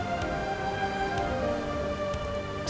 semua yang dia lakukan